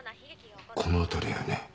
この辺りだよね。